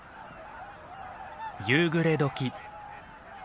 夕暮れ時。